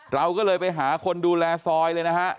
เราก็เลยไปหาคนดูแลซอยเลยนะฮะ